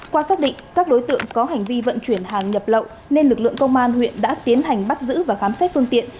qua xác định các đối tượng có hành vi vận chuyển hàng nhập lậu nên lực lượng công an huyện đã tiến hành bắt giữ và khám xét phương tiện